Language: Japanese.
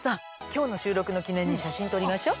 今日の収録の記念に写真撮りましょ！